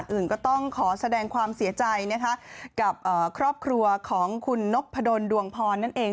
อื่นก็ต้องขอแสดงความเสียใจนะคะกับครอบครัวของคุณนพดลดวงพรนั่นเอง